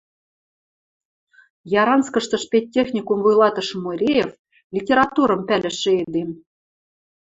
Яранскыштыш педтехникум вуйлатышы Муреев — литературым пӓлӹшӹ эдем.